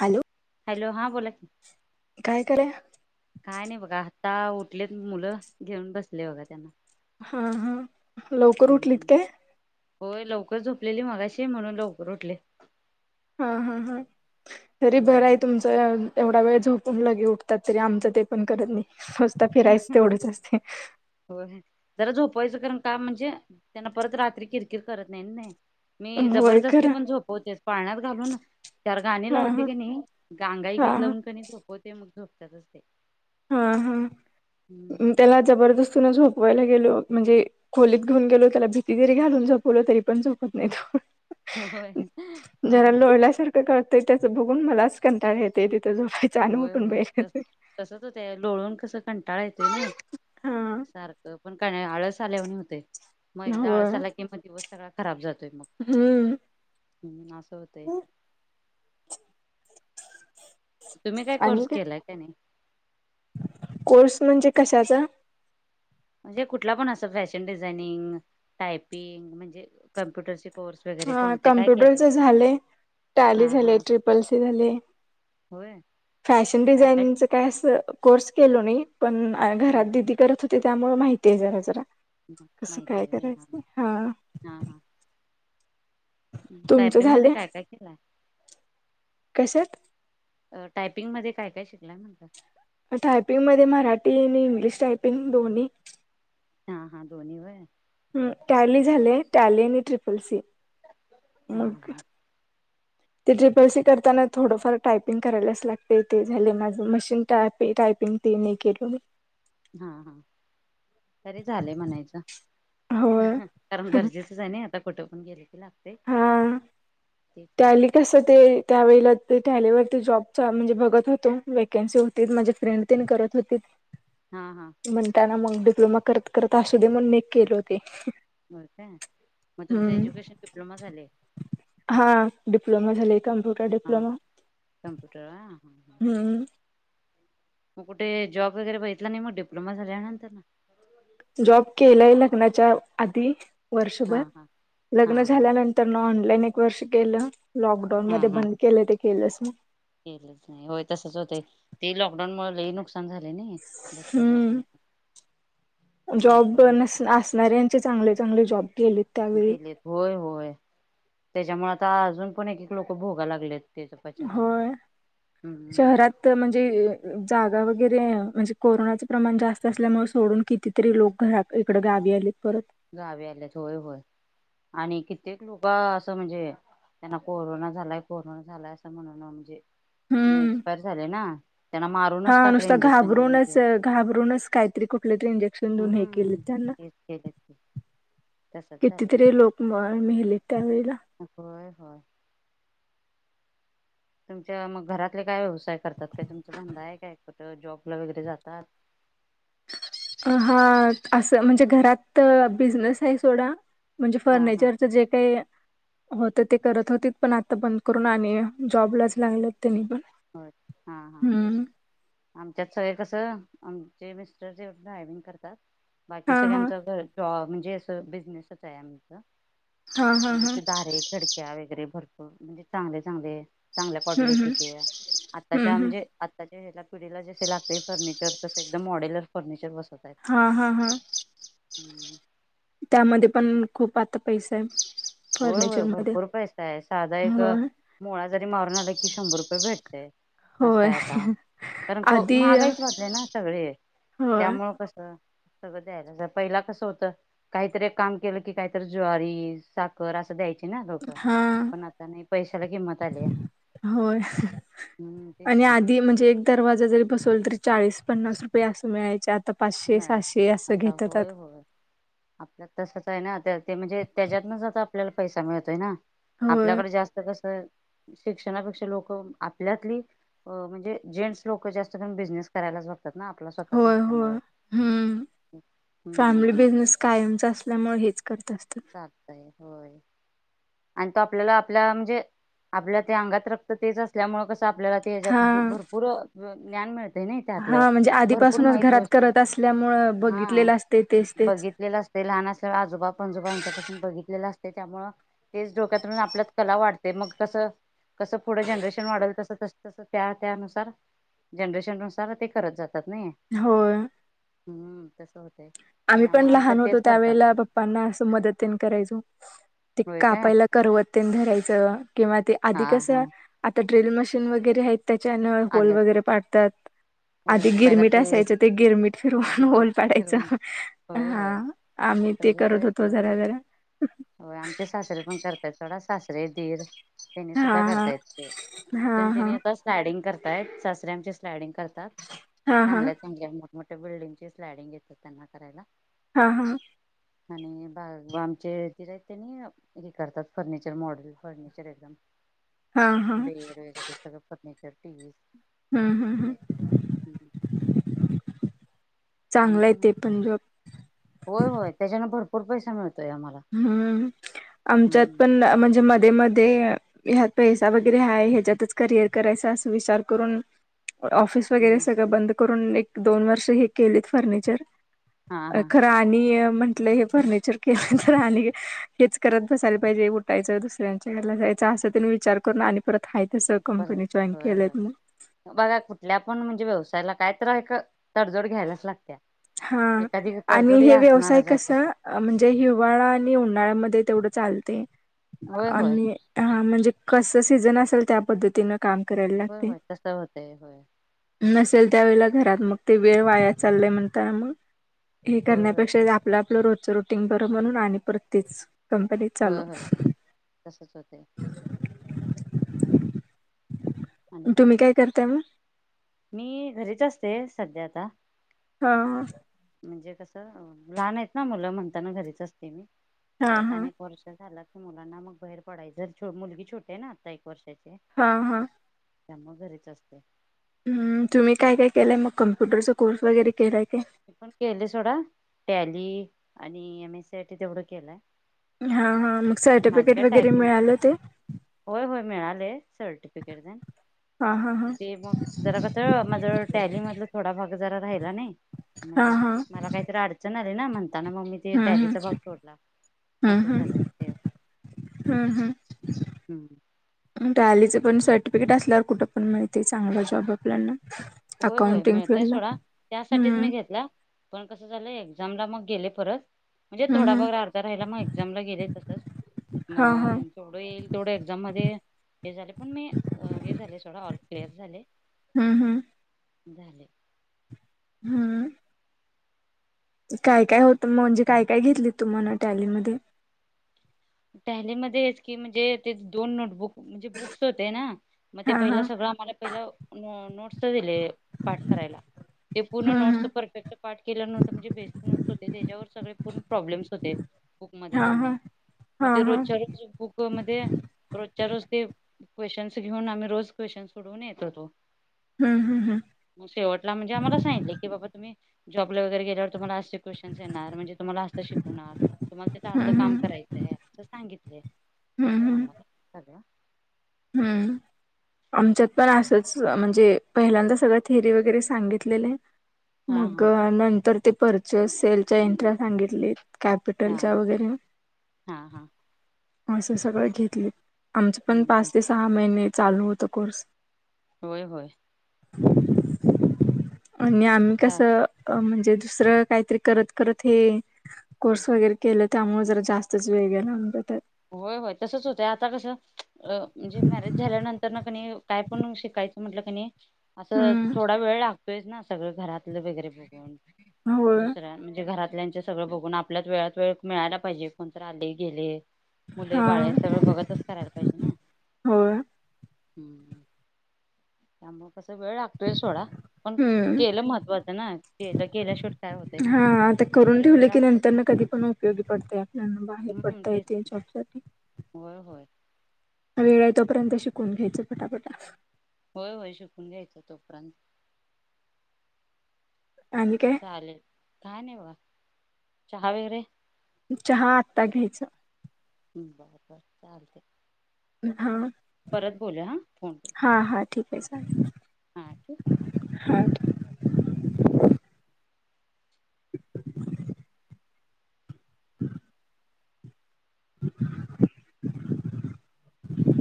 Hello. Hello हा बोला. काय करे. काय नाही बघा आता उठलेत मुलं घेऊन बसले बघा त्यांना हा हा लवकर उठली हम्म ते होय लवकर झोपलेली मगाशी म्हणून लवकर उठले. हा हा हा तरी बरं आहे तुमच एवढा वेळ झोप. कोण लगे उठतात तरी आमचं ते पण करत नाही. स्वस्त फिरायच तेवढंच असते. होय जरा झोपायचं कारण काम म्हणजे त्यांना परत रात्री किरकिर करत नाही नाही. मी होय जबरदस्ती खरं पण झोपवतेस पाळण्यात घालून त्या गाणी हा लावते हा की नाही गांगाई हा घीत लावून कणी झोपवते मग झोपतातचते. हा हा त्याला जबरदस्ती नच होत. वायला गेलो म्हणजे खोलीत घेऊन गेलो त्याला भीती तरी घालून जपवलो तरी पण झोपत नाही तो. होय. जरा लोळल्यासारखं कळतंय त्याचं बघून मलाच कंटाळ येते तिथ झोपा छान होय उठून होय बैेत तस तसच लोळून कस कंटाळा येतोय नाही हा सारखं पण का? चालवणी होते मग एकदा होय आळसाला कि मग दिवस सगळा खराब जातो. हम्म. हम् ना अस होते. तुम्ही काय आणि कोर्स केलाय का नाही. कोर्स म्हणजे कशाचा म्हणजे कुठला पण असं फॅशन डिझायनिंग टायपिंग म्हणजे कम्प्युटर हा कमप्युटरच झाले हा टॅली हा झाले ट्रिपल सी झाले. होय फॅशन काय डिझाइनि केलं? काय अस कोर्स केलो नाही पण घरात हा दिदी करत होते. त्यामुळे माहिती आहे जरा जरा कसं माहिती काय आहे होय करायचं हा. हा हा तुमचं टायपिंग मध्ये झालंय काय काय केलंय. कशात अ टायपिंग मध्ये काय काय शिकलाय म्हणत. टायपिंग मध्ये मराठी आणि इंग्लिश टायपिंग दोन्ही हा हा दोनी व हम् टॅली झाले टॅली आणि ट्रिपल सी हम मग हा ते ट्रिपल सी करताना थोडंफार टायपिंग करायलाच लागते ते झाले माझ मशीन टाप ते नाही केलंो हा हा तरी झालेय म्हणायच होय कारण गरजेचंच आहे ना आता फोटो पण गेले की लागते त्याली कस ते त्यावेळेला ते टॅलीवरती जॉबचा म्हणजे बघत होतो वेकन्सी होती माझे फ्रेंड तने करत होती हा हा म्हणताना मग डिप्लोमा करत करत असु दे म्हण म केले होते बर काय मग तुमचं हम्म एज्युकेशन डिप्लोमा झाले हा डिप्लोमा झाले कम्प्युटर हा डिप्लोमा कम्प्युटर हा हा हा हम् मग कुठे जॉब वगैरे बघितला नाही मग डिप्लोमा झाल्यानंतर ना- जॉब केलाय लग्नाच्या आधी- वर्षभर हा हा हा लग्न हा झाल्यानंतर ना ऑनलाईन एक वर्ष केलं- लॉकडाऊन हा मध्ये हा बंद केलं ते केलंच ना केलंच नाही होय तसच होतय ते लॉकडाऊन मुळ लय नुकसान- झाले नाये भरपूर हम्म लोकांचे जॉब भरपूर नस असणारयांचे चांगले चांगले जॉब केलेत त्यावेळी गेलेत होय होय त्याच्यामुळे आता अजून पण एकीकडे खुप लोक भोगा लागलेत त्याचा पश्चाताप होय हम्म शहरात म्हणजे जागा- वगैरे म्हणजे कोरोनाचे प्रमाण जास्त असल्यामुळे सोडून कितीतरी लोक घरा इकडे गावी आलेत परत. गावी आल्यात होय होय आणि कित्येक लोक असं म्हणजे- त्यांना कोरोना झालाय कोरोना झालाय असं म्हणण म्हणजे- मग हम्म. एक्सपायर झाले ना त्यांना मारूनच हा टाकले नुसता इंजेक्शन देऊन घाबरूनच देऊन घाबरूनच काहीतरी कुठले तरी इंजेक्शन देऊन हे केलेत हम्म. त्यांना- तेच केलं की तसच झालं कितीतरी लोक मेहलेत त्यावेळेला होय होय तुमच्या मग घरातले काय व्यवसाय करतात काय तुमचा धंदा आहे कायत जॉबला वगैरे जातात अ हा असं म्हणजे घरात बिझनेस आहे सोडा म्हणजे हा हा फर्निचरचं जे काही हो तर ते करत होती पण आता बंद करून आणि जॉबलाच लागलेत त्यांनी पण. हो हा हा हम्म. आमच्यात सगय कस- मिटर ड्रायंग करतात बाकी हा हा सगळे जॅब [unintelligible] ज अस बिजनेसच आहे आमच हा हा म्हणजे हा कि दारे खडक्या वगैरे भर- म्हणजे चांगले चांगले चांगल्या हम्म कडले [unintelligible] हम्म तिथे हम्म आत्ताच्या हम्म म्हणजे आताच्या- पिढीला जसे लागते फर्निचर तस एकदम मॉडेलर फर्निचर बसत- हा हा हा हम्म त्यामध्ये पण खूप आता पैसा आहे होय होय फर्निचर मध्ये भरपूर पैसा आहे साधा एक होय मुळा जरी मारून आला कि शंभर रुपये भेट- होय असा आता कारण आधी महागाईच वाटली ना सगळे होय त्यामुळ कस- सगळं द्यायला पहिला कस होत काहीतरी एक काम केलं की काहीतरी ज्वारी सा- कर असं द्यायचे ना लोक हा पण आता नाही पैशाला किंमत आलीया होय आणि आधी म्हणजे एक दरवाजा जरी बसवल तरी- चाळीस पन्नास रुपये असं मिळायच्यात मिळायच आता होय होय आपल्या तसच- रे आहे ना ते म्हणजे त्याच्यातनच आता आपल्याला पैसा मिळतोय ना होय आपल्याकडे जास्त कसं शिक्षणापेक्षा लोक आपल्यातली म्हणजे जेंटस लोक जास्त करुण बिझनेस करायलाच बघ तातना. आपला स्वतःच अस होय त्यामुळं. होय हम्म फॅमिली बिझनेस कायमच असल्यामुळे हे चालतय होय. आणि तो आपल्याला आपल्या म्हणजे आपल्या ते अंगात रक्त तेच असल्यामुळे कस आपल्याला त्याच्यात हा भरपूर ज्ञान मिळत या नाही त्यातलं हा म्हणजे भरपूर आधीपासूनच माहित घरात गोष्ट करत असल्यामुळं हा बघितलेलं असते तेच तेच बघितलेलं लहान असल्या आजोबा पंजोबा यांच्यापासून बघितलेलं असते त्यामुळ तेच डोक्यातून आपल्यात कला वाढते मग कसं कसं पुढं जनरेशन वाढल तस तस तस त्या त्यानुसार जनरेशन नुसार ते करत जात होय. हम्म तसं होतय. आम्ही पण त्यामुळे आमच्यात लहान होतो तेच करतात त्यावेेळेला पप्पांना अस मदतीन करायचो. ते होय काय कापायला करवत्तेन धरायचं किंवा ते हा आधी हा कसं आता ड्रिल मशीन वगैरे आहेत त्याच्यानं होल आल्यात वगैरे पाडतात. आधी होय पहिला गिरमीट असायचं ते गिरमीट फिरवून ओल फिरवून पाडायचं. होय हा होय आम्ही ते करत होतो जरा जरा. हो आमचे सासरीे पण करतात थोडा सास दिर त्यांनी हा सुद्धा हा करतायेत ते हा हा त्यांनी आ स्लाडंग कर तायत. सासऱ्यामचे स्लायडिंग करतात हा हा चांगल्या चांगल्या मोठ्या बिल्डिंगची स्लॅडिंग घेतात त्यांना करायला. हा हा. आणि बाबांचे दिर आहेत तेनी हे करतात फर्निचर मॉडेल फर्निचर एकदम हा हा बेड वैगरे सगळ फर्नीचर टी. व्हीस हम् हम् हम. [inaudible] आणि चांगलं आहे काय म्हण ते पण जॉब. होय होय त्याच्यान भरपूर पैसा मिळ हम्म आमच्यात हम्म पण म्हणजे मध्ये मध्ये ह्यात पैसा वगैरे ह ह्याच्यातच करिअर करायचा अस विचार करून ऑफिस वगैरे हम्म सगळं बंद करून एक दोन वर्ष हे केलेत फर्निचर. हा अ हा खरं आणि म्हंटलं हे फर्निचर केलं तर आणि हेच करत बसायला पाहिजे उठायचं दुसऱ्यांच्या घरला जायचं असं तेन विचार करून आणि परत हाय तसं कंपनी जॉईन होय होय केलेत मग बघा कुठल्या पण म्हणजे व्यवसायाला कायत तडजोड घ्यायलाच लागते. हा आणि हे व्यवसाय असणारच आहे कस कशात म्हणजे हिवाळा आणि उन्हाळ्यामध्ये तेवढं चालते होय होय आणि ह म्हणजे कस सीझन असेल त्या पद्धतीनं. काम करायला होय लागते होय तस होतय होय नसेल त्यावेळेला घरात मग ते वेळ वाया चाललंय म्हणता मग हे होय करण्यापेक्षा होय आपलं आपलं रोज रो- टिंग बरं म्हणून आणि परत तेच कंपनी चालू. होय होय तसच होतय आणि काय मग? तुम्ही करताय मग? मी घरीच असते सध्या आता. हा. म्हणजे कसं लहान आहेत ना मुलं म्हणताना घरीच असते मी हा परत हा अनेक वर्ष झाला मुलांना मग बाहेर पडायर मुलगी छोटे ना आता एक वर्ष हा हा. त्यामुळे घरीच असते. हम्म तुम्ही काय काय केलंय मग कम्प्युटरचा कोर्स वगैरे केलाय. काय? मी पण केले सोडा टॅली आणि एम एस सी साठी तेवढं केलाय. हा हा मग सर्टिफिकेट वगैरे टायपिंग मिळालं ते. होय होय मिळालय सर्टिफिकेट हा हा हा ते मग जरा कस माझ टॅली मधला थोडा भाग जरा राहिला नाही हा म्हणजे हा. मला काहीतरी अडचण आली ना म्हण आता ना मम्मी ते हम्म हम्म टॅलीचा भाग सोडला हम्म असं हम्म झालं ते [unintelligible] हम्म सर्टिफिकेट असल्यावर कुठ पण माहिती आहे चांगला जॉब आपल्याणा होय होय मिळतय सोडा त्यासाठीच मी हम्म घेतला पण कस झालं एक्झामला मगं [inaudible] मग हम्म हम्म हा हा तेवढं येईल तेडं एक्झाम मध्ये हे झाले पण मी हे झाले सोडा ऑल क्लिअर झाले हम्म हम्म. झाले. हम्म. काय काय होत म्हणजे काय काय घेतली तुम्हाला टॅलीमध्ये? [inaudible] म्हणजे बुक्स होते ना मगं ते हा हा पहिला सगळं आम्हाला पहिला नोट पाठ करायला ते पूर्ण हम्म नोट्स हम्म. परफेक्ट पाठ केल नव्हतं म्हणजे बेसिक नोट्स होते त्याच्यावर सगळे पण प्रॉब्लेम्स होते बुक मध्ये हा हा दोन्ही मग हा ते हा रोजच्या रोज बुक मध्ये रोजच्या रोज ते- क्वेशचनस घेऊन आम्ही रोज क्वेशन्स सोडवून येत होतो हम्म हम्म मग शेवटला म्हणजे आम्हाला सांगितले की बाबा तुम्ही जॉब वगैरे गेल्यावर तुम्हाला असे क्वेशन्स येणार म्हणजे तुम्हाला अस शिकवणार तुम्हाला तिं हम्म असत हम्म काम हम्म करायंच अस सांगितले हम्म आम्हाला सगळं हम्म. आमच्यात पण असंच म्हणजे पहिल्यांदा सगळं थेअरी वगैरे सांगितलेलं हा हा मगं नंतर ते परचेस सेलच्या एंट्र सांगितली हा कॅपिटलच्या वगैरे, हा हा असं सगळं घेतले आमचं पण हम्म हम्म. पाच ते सहा महिने चालू होत कोर्स होय होय. आणि आम्ही काय कसं म्हण म्हणेज दुसरं काहीतरी करत करत हे कोर्स वगैरे केलं त्यामुळे जरा जास्तच वेळ गेळा होय होय तसच होतंय आता कसं म्हणजे मॅरेज झाल्यानंतर ना कणी काय पण शिकायचं म्हटलं कणी असं हम्म थोडा वेळ लागतो सगळ घरातलं वगैरे होय दुस म्हणजे घरात आपल्याच सगळं बघून आपल्यात वेळात वेळ मिळायला पाहिजे कोणत आले गेले मुले हा बाळे सगळं बघतच करायला पाहिजे ना होय [unintelligible] कस वेळ लागतोय थोडा पण हम्म केलं महत्वाचं ना केलं केल्या शूट काय होते हा आता करून ठेवले की नंतरना कधी पण उपोगी पडतय आपल्याना बाहेर हम्म पडता तेच येतय जॉ होय होय. वेळ य तोपर्यंत शिकून घ्यायच पटापटा होय होय शिकून घ्यायचं तोपर्यंत आणि काय चालेल का नाही बघा, चहा वगैरे? चहा आत्ता घ्यायच. [unintelligible] हा परत बोलू हा फोन कर हा हा ठीक आहे चालेल हा ठीक आहे हा [unintelligible] [unintelligible]